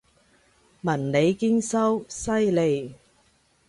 文理兼修，犀利！